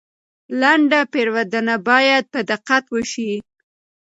لنډه پیرودنه باید په دقت وشي.